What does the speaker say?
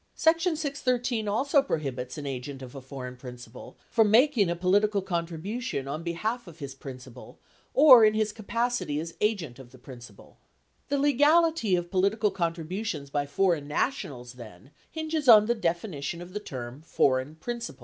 30 Section 613 also prohibits an agent of a foreign principal from making a political contribution on behalf of his prin cipal or in his capacity as agent of the principal. The legality of politi cal contributions by foreign nationals, then, hinges on the definition of the term "foreign principal."